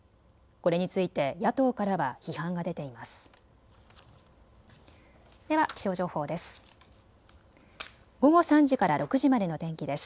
これについて野党からは批判が出ています。